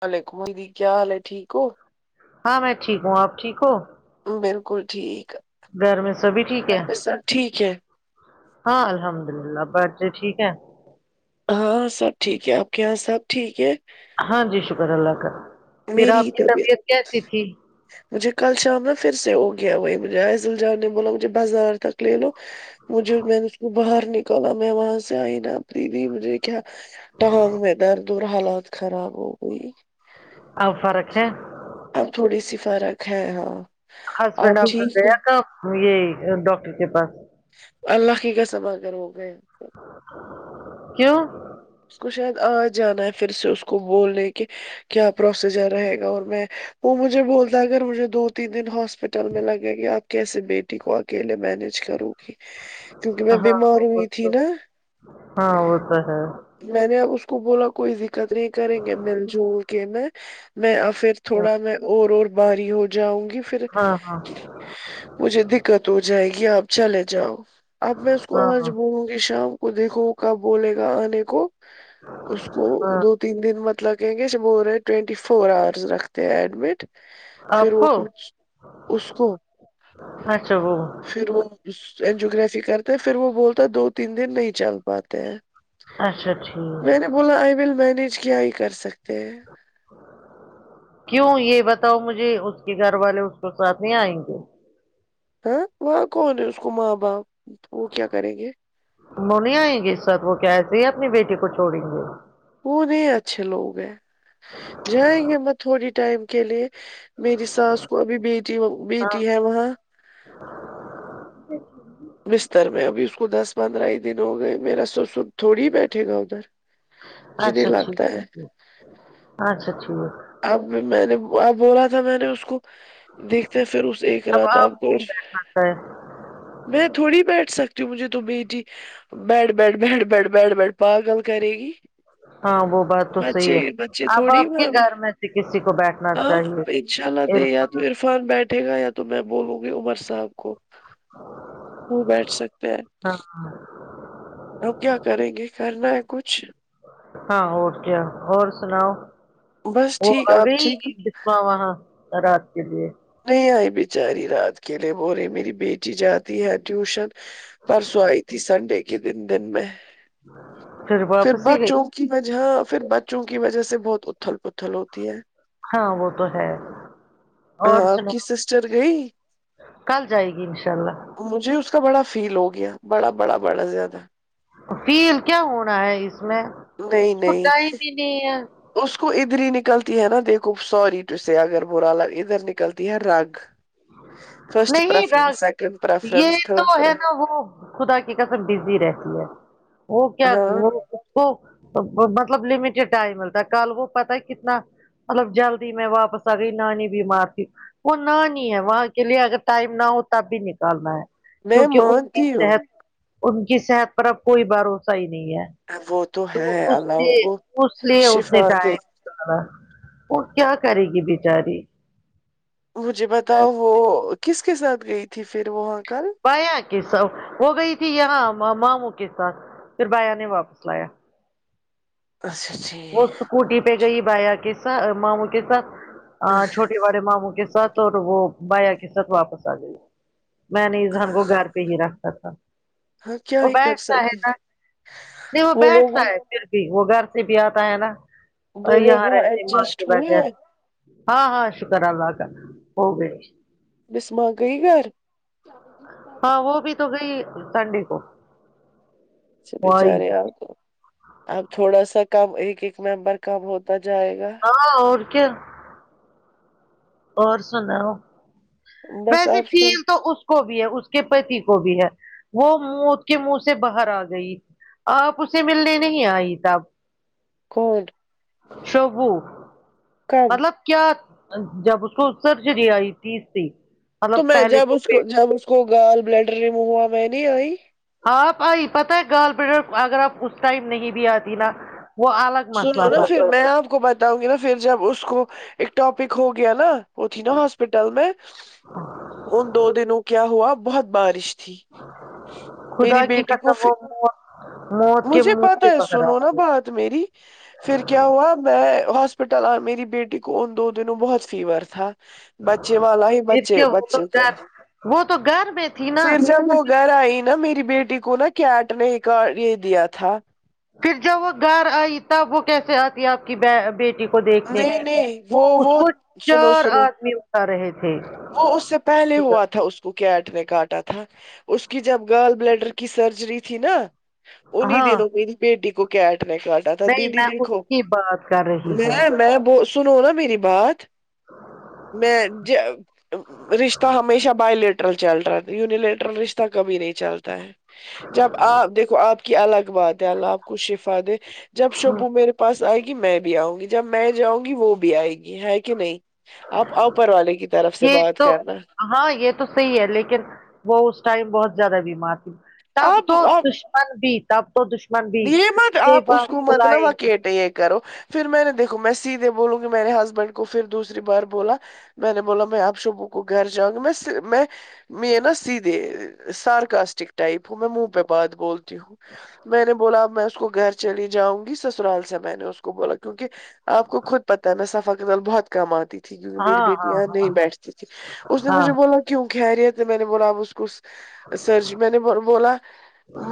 وعلیکم کیا حال ہے ٹھیک ہو ہاں میں ٹھیک ہوں آپ ٹھیک ہو بالکل ٹھیک گر میں سبھی ٹھیک گھر ہے پہ سب ٹھیک ہے ہاں الحمد للہ بچے ٹھیک ہے ہاں سب ٹھیک ہے آپ کے یہاں سب ٹھیک ہے ہاں جی شکر اللہ کا پھر میری ہی آپ کی طبیعت کیسی تھی مجھے کل شام میں فیر سے ہو گیا وہ مجے عض الجان نے بولا مجھے بازار تک لے لو مجھے میں نے اس کو باہر نکالا میں وہاں سے آئی نا ابی بھی مجھے کیا ٹانگ میں دردر حالات خراب ہو گئی اب فرق ہے اب تھوڑی سی فرق ہے ہاں ہسبینڈ آپ ڈاکٹر ٹھیک گیا تھا یے ڈاکٹر کے پاس اللہ کی قسم اگر ہو گئے تو کیوں اس کو شاید آ جانا ہے فیر سے اس کو بولنے کہ کیا پروسیزر رہے گا اور میں وہ مجھے بولتا ہے اگر مجھے دو تین دن ہاسپٹل میں لگے گی آپ کیسے بیت ٹی کو اکیلے مینج کروں گی کیونکی میں ہاں بیمار وہ ہوئی تھی تو نا ہاں وہ تو ہے میں نے اس کو بولا کوئی دقت نہیں کریں گے مل جل کے میں میں فیر تھوڑا میں اور اور باری ہو جاؤں گی فیر ہاں ہاں مجھے دکت ہو جائے گی آپ چلے جاؤ اب میں اس کو آج ہاں بولوں گی شام کو دیکھوں وہ کب بولے گا آنے کو اس کو ہاں دو تین دن مطلب کہیں گے رہے ٹوینٹی فور آورس رکھتے ہیں ایڈمٹ آپ فیر کو وہ کچھ اس کو اچھا وہ فیر وہ اجو گرافی کرتے ہیں فیر وہ بولتا دو تین دن نہیں چل پاتے ہیں اچھا ٹھیک میں نے بولا آئی ویل مینیج کیا ہی کر سکتے ہیں کیوں یے بتاؤ مجھے اس کے گھر والے اس کو ساتھ نہیں آئیں گے ہاں وہاں کون ہے اس کو ماں باپ وہ کیا کریں گے انو نئی آئیں گے اس واتھ وہ کیسے ہی اپنی بیٹی کو چھوڑیں گے وہ نہیں اچھے لوگ ہیں جائیں گے مت تھوڑی ٹائم کے لیے میری ساس کو ابھی بیٹی وہ ہاں بیٹی ہے وہاں بستر میں ابھی اس کو دس پندرہ ہی دن ہو گئے میرا سوسر تھوڑی ہی بیٹھے گا ادھر مجھے نہیں اچھا ٹھیک لگتا ہے اچھا ٹھیک اب میں نے اب بولا تھا میں نے اس کو دیکھتے فیر اس ایک کرا تھا آپ کو تا ہے میں تھوڑی بیٹھ سکتی ہوں مجھے تو بیٹی بیٹھ بیٹھ بیٹھ بیٹھ بیٹھ بیٹھ پاگل کرے گی ہاں وہ بات تو صحیح بچے ہے بچے اب تھوڑی آپ کے مانگ. گھر میں سے کسی کو بیٹھنا ہاں چاہیے انشاء اللہ دے یا تو عرفان بیٹھے گا یا تو میں بولوں گی عمر صاحب کو ج وہ بیٹھ سکتے ہیں ہاں ہم کیا کریں گے کرنا ہے کچھ ہاں اور کیا اور سناؤ بس وہ ٹھیک آپ ابھی ٹھیک اہاں رات کے لیے نہیں آئی بیچاری رات کے لیے ب رہے میری بیٹی جاتی ہے ٹیوشن پرسوں آئی تھی سنڈے کے دن دن میں پھر واپس ہی گئی بچوں کی وجہ پھر بچوں کی وجہ سے بہت اتھل پتھل ہوتی ہے ہاں وہ تو ہے اور آک سناؤ سسٹر گئی کل جائے گی ان شاء اللہ مجھے اس کا بڑا فیل ہو گیا بڑا بڑا بڑا زیادہ فیل کیا ہونا ہے اس میں نہیں اس کو نہیں ٹائم ہی نہیں ہے اس کو ادھر ہی نکلتی ہے نا دیکھو سوری ٹو س اگر بورا لگ ادھر نکلتی ہے رگ فرسٹ نہیں پرفرنس ڈاک سیکڈ یہ تو ہے نا وہ خدا کی کسم بزی رہتی ہے وہ کیا ہاں وہ کو مطلب لمیٹیڈ ٹائم ملتا ہے کل وہ پت ہے کتنا مطلب جلدی میں واپس آ گئی نانی بیمار تھی وہ نانی وہاں کے لیے اگر ٹائم نہ ہو تب بھی نکالنا ہے میں کیونکہ اس مانتی ہوں تحت ان کی صحت پر اب کوئی بھروسہ ہی نہیں ہے ابت تو اس لیے اس لیے اس شفا نے کہ دے ہے وہ کیا کرے گی بچاری مجھے بتاؤ وہ کس کے ساتھ گئی تھی پھر وہاں کل بایا کے س وہ گئی تھی یہاں ماموں کے ساتھ پھر بایا نے واپس لایا اچھا اچھ وہ اسکوٹی پہ گئی بایا کے س ماموں کے ساتھ ٹھیک چھوٹے بڑے ماموں کے ساتھ تو وہ بایا کے ساتھ واپس آ گئی میں نے اسان کو گھر پہ ہی رکھا تھا ہاں کیا وہ ہی کر بیھتا ہے سکتی ن نہیں وہ بیٹھتا ہے پھر بھی وہ گھر سے بھی آتا ہے نا اور وہ لوگ یہاں وہاں رہتے ماں ایڈجسٹ کے ہوئے بغیر ہیں، ہاں ہاں شکر اللہ کاا ہوگ بسماں گئی گھر ہاں وہ بھی تو گئی سنڈے کو وہی بچارے آ تو اب تھوڑا سا کم ایک ایک ممبر کم ہوتا جائے گا ہاں اور کیا اور سناو بس ویسے آپ کو فیل تو اس کو بھی ہے اس کے پتی کو بھی ہے وہ موت کے منہ سے باہر آ گئی آپ اسے ملنے نہیں آئی تب کون شبو کب مطلب کیا جب اس کوسرجری آئی تھی تھی تو مطلب میں پہلے جب تو اس کو پیٹ جب اس کو گال بلیڈ ریم ہوا میں نہیں آئی آپ آئی پتہ ہے گال بر اگر آپ اس ٹائم نہیں بھی آتی نا وہ الگ سنو مسئلہ نا تھا ھیر میں آپ کو بتاؤں گی نا تھر جب اس کو ایک ٹاپک ہو گیا نا وہ تھی نا ہاسپٹل میں ان دو دنوں کیا ہوا بہت بارش تھی میری خدا کی بیٹی کو قسم فی وہ موت موت کے مجھے منہ سے پتا ہے باہر آ سنو نا گئی بات میری پھر کیا ہوا میں ہاسپٹل میری بیٹی کو ان دو دنوں بہت فیور تھا بچے والا ہی پھر بچے کیا وہ تو بچے کا گھر وہ تو گھر میں تھی نا پھر جب وہ گر آئی نا میری بیٹی کو نا کیٹ نے یے دیا تھا پھر جب وہ گر آئی تب وہ کیسے آتی آپ کی بیٹی کو دیکھنے نہیں نہیں وہ وہ سنو سنو کر رہے تھے وہ اس سے پہلے ہوا تھا اس کیٹ نے کاٹا تھا اس کی جب گال بلیڈر کی سرجری تھی نا انی ہاں دنوں میری بیٹی کو کیٹ نےکا ٹا تھا نہیں دیدی میں اس دیکھو کی بات کر رہی میں ہوں میں بو سنو نا میری بات میں رشتہ ہمیشہ بائے لیٹ ٹرل چل رہا ینیلیٹرل رشتہ کبھی نہیں چلتا ہے جب آپ دیکھو آپ کی الگ بات ہے اللہ آپ کو شفا دے جب شبو میرے پاس آئے گی میں بھی آؤں گی جب میں جاؤں گی وہ بھی آئے گی ہے کی نہیں آپ اوپر والے کی طرف سے یے بات تو کرنا ہاں یے تو صحیح ہے لیکن وہ اس ٹائم بہت زیادہ بیمار تھی تب آپ تو دشمن بھی تب تو دشمن بھی یے مت یہ آپ اس بات کو مت نا بلائیں گے وکیٹ یے کرو فیر میں نے دیکھو میں سیدھے بولوں گی میرے ہسبینڈ کو پھر دوسری بار بولا میں نے بولا میں آپ شبو کو گھر جاؤں گی میں میں میں نا سیدھے سارکاسٹک ٹائپ ہوں میں منہ پے بات بولتی ہوں میں نے بولا اب میں اس کو گھر چلی جاوگی سسرال سے میں نے اس کو بولا کیونکہ آپ کو خود پتا ہے میں سفا کے نال بہت کم آتی تھی کیونکی میری ہاں بیٹی ہاں یہاں نہیں ہاں بیٹھتی تھی اس نے ہاں مجھے بولا کیوں خیریت ہے میں نے بولا اب اس کو سر جی میں نے بولا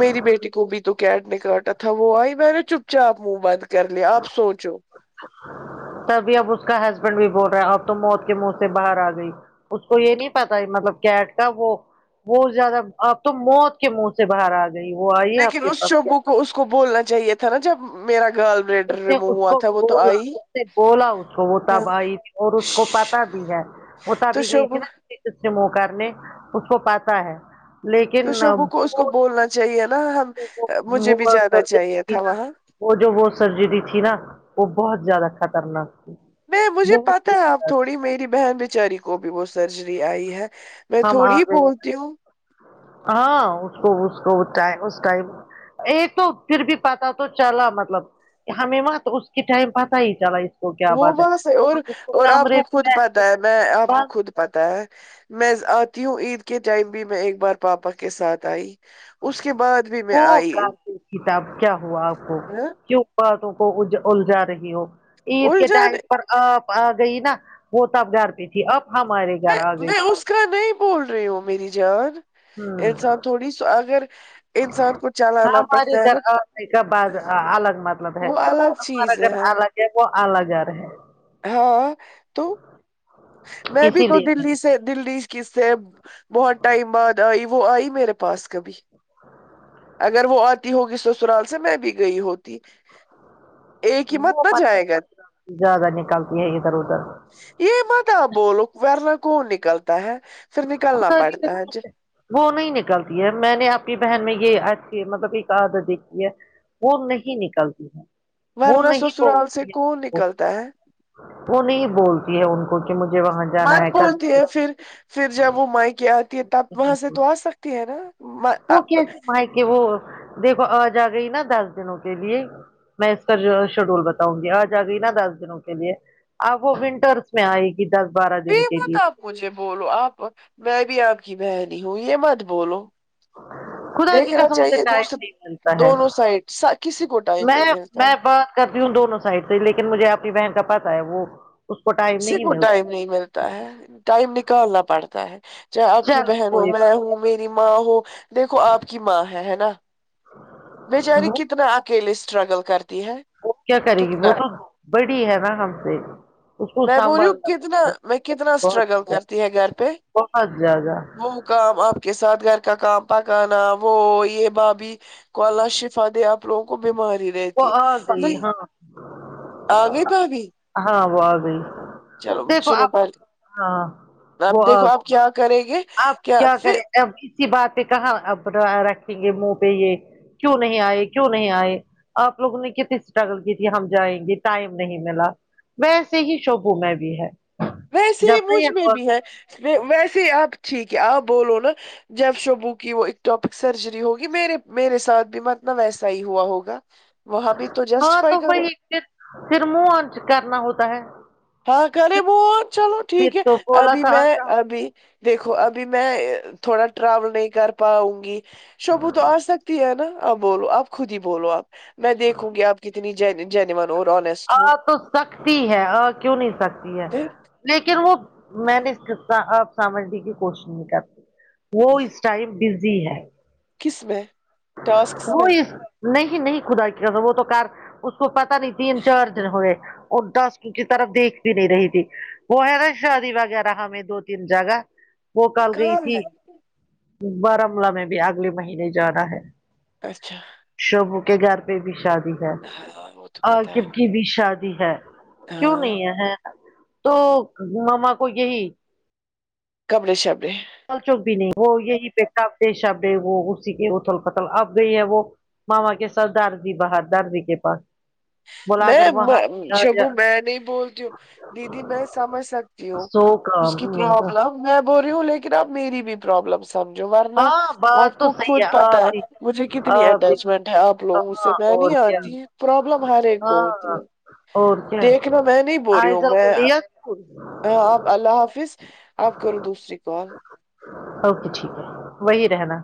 میری بیٹی کو بھی تو کیٹ نے کاٹا تھا وہ آئی میں نے چپ چاپ منہ بند کر لیا آپ سوچو تبھی اب اس کا ہسبینڈ بھی بول رہا ہے اب تو موت کے منہ سے باہر آ گئی اس کو یے نہیں پتا مطلب کیٹ کا وہ بہت زیادہ اب تم موت کے منہ سے باہر آ گ گیی وہ آئی ہے آپ لیکن کے اس پاس شوگو کو اس کو بولنا چاہیے تھا نا جب میرا گال اس بلیڈر نے ریمو اس ہوا کو تھا وہ تو بولا آئی اس نے بولا اس کو وہ ہاں ٹب ائی تھی اور اس کو شش، پتا بھی ہے وہ ٹب تو بی گئی تھی شبو نا سے منہ کرنے اس کو پتا ہے تو لیکن شبو کو اس کو وہ بولنا چاہیے نا ہم مجھے بھی وہ جانا سرجری چاہیے تھی تھا نا وہاں وہ جو وہ سرجری تھی نا وہ بہت زیادہ خطرناک تھی نہیں مجھے پتا بہت ہے آپ تھوڑی میری بہن بیچاری کو بھی وہ سرجری آئی ہے میں ہم آ تھوڑی گئے ہیں بولتی ہوں ہاں اس کو اس کو اس ٹائم ایک تو پھر بھی پتا تو چلا مطلب ہمیں وہاں تو اس کے ٹائم پتا ہی چلا اس کو کیا وہ بات وہا سے ہے اور اس اور آپ کمرے کو خود میں پتا ہے میں آپ کو بس خود پتا ہے میں آتی ہوں عید کے ٹائم بھی میں ایک بار پاپا کے ساتھ آئی اس کے بعد بھی میں وہ آئی کارتی تھی تب کیا ہوا آپ کو کیوں باتوں کو الجا رہی ہو عید کے الجھان ٹائم میں پر آپ آ گئی نا وہ توب گر پے تھی اب ہمارے گر آ گئی میں تھی اس کا نہیں بول رہی ہو میری جان انسان ہوں تھوڑی س اگر انسان کو چلالا پڑتا ہے نا بعد الگ مطلب ہے وہ الگ ہمارا چیز ہے گر ہاں الگ ہے وہ الگ گر ہے ہاں تو میں بھی اسی تو لیے میں نے دلی سے دلی کس سے بہت ٹائم بعد آئی وہ آئی میرے پاس کبھی اگر وہ آتی ہوگی سسرال سے میں بھی گئی ہوتی ایک ہی وہ نہ مت جائے گا زیادہ نکلتی ہے ادھر ادھر یے مت آپ بولو ورنا کون نکلتا ہے فیر نکلنا خدا کی پڑتا ہے اج قسم وہ نہیں نکلتی ہے میں نے اپنی بہن میں یے اچھی مطلب ایک عادت دیکھی ہے وہ نہیں نکلتی ہے وہ ورنہ نہیں سسرال سے بولتی ہے کون نکلتا ہے وہ نہیں بولتی ہے ان کو کہ مجھے وہاں جانا مت کل بولتی ہے فیر فیر جب وہ مائکے آتی ہے تب وہاں سے تو آ سکتی ہے نا م- وہ آ- کہتی بھای کہ وہ دیکھو آ جا گئی نا دس دنوں کے لیے میں اس کا جو شیڈول بتاؤں گی آج آ گئی نا دس دنوں کے لیے آپ وہ ونٹرس میں آئے گی دس بارہ دن یہ کے مت لیے آپ مجھے بولو آپ میں بھی آپ کی بہن ہوں یے مت بولو خدا کی دیکھنا قسم اسے چاہیے ٹائم دوسر نہیں ملتا ہے دونوں سائڈ کسی کو ٹائم میں نہیں ملتا میں بات کرتی ہوں دونوں سائڈ سے لیکن مجھے اپنی بہن کا پتا ہے وہ اس کو ٹائم اسی نہیں کو ملتا ٹائم نہیں ملتا ہے ٹائم نکالنا پڑتا ہے چاہے آپ کی چلو بہن ہو کوئی میں بات ہوں میری ماں ہو دیکھو آپ کی ماں ہے ہے نا بچاری وہ کتنا اکیلے سٹراگل کرتی ہے وہ کیا کرے گی وہ کتنا تو بڑی ہے نا ہم سے اس کو میں بول ہو سنبھالنا پڑے کتنا گا میں کتنا بہت اسٹرگل زیادہ، کرتی ہے گر پے بہت زیادہ کام آپ کے ساتھ گھر کا کام پکانا وہ یے بابی کو اللہ شفا دے آپ لوگوں کو بیماری وہ رہتی آ ہے گئی نہیں ہاں آ گئی بھابھی ہاں وہ آ گئی چلو دیکھو سنو آپ پہلے ہاں آپ وہ آ دیکھو آپ کیا کریں گے آپ کیا کریں ا اسی بات پے کہاں اب رکھیں گے منہ پے یے کیوں نہیں آئے کیوں نہیں آئے آپ لوگوں نے کتنی اسٹرگل کی تھی ہم جائیں گے ٹائم نہیں ملا ویسے ہی شبوں میں بھی ہے ویسے ہی جب مجھ میں یہ بھی ہے ویسے ہی آپ ٹھیک ہے آپ بولو نا جب شبو کی وہ ٹاپک سرجری ہوگی مے میرے ساتھ بھی مت نا ویسا ہی ہوا ہوگا وہاں بھی تو جسٹیفائی کرو فیر منہ آنچ کرنا ہوتا ہے ہاں کرے بو چلو پھر ٹھیک ہے تو بولا ابھی تھا میں ابھی دیکھو ابھی میں تھوڑا ٹراول نہیں کر پاؤں گی شبو تو آ سکتی ہے نا آپ بولو آپ خود ہی بولو آپ میں دیکھوں گی آپ کتنی جین جینون اور اون آ تو سکتی ہے آ کیوں نہیں سکتی ہے پھر لیکن وہ میں نے سمجا آپ سمجھنے کی کوشش نہیں کرتی وہ اس ٹائم بزی ہے کس میں ٹاسکس وہ میں اس نہیں نہیں خدا کسم وہ تو کار اس کو پتا نہیں تین چار ہوئے اور ڈسک کی کی طرف دیکھ بھی نہیں رہی تھی وہ ہے نا شادی وغیرہ ہمیں دو تین جگہ وہ کال گئی کہاں تھی ہے بارامولہ میں بھی اگلے مہینے جانا ہے اچھا شبو کے گر پے بھی شادی ہے [unintelligible] آ کیب کی بھی شادی ہے کیوں ہاں نہیں ہے تو مما کو یہی کبڑے شبڑے پل چوک بھی نہیں وہ یہی پے کبڈے شبڈے ہے وہ اسی کے اتھل پتھل اب گئی ہے وہ ماما کے ساتھ دارزی باہر دارزی کے پاس بلا میں کر وہاں شبو میں نہیں بولتی ہوں دیدی میں سمجھ سکتی ہوں سو کام اس کی پرابلم میں بول رہی ہوں لیکن اب میری بھی پرابلم سمجھو ورنہ ہاں بات آپ تو کو خود صحیح ہے پتہ آپ بھی مجھے کتنی آپ بھی اٹیچمنٹ ہے آپ لوگو سے کہاں میں نہیں اور آ کیا تی پورا بلم ہر ایک کو ہو تی ہاں ہے اور کیا دیکھنا میں نہیں بول رہی ہوں آئزل میں [unintelligible] ہاں آپ اللہ حافظ آپ کرو دوسری کال اوکے ٹھیک ہے وہی رہنا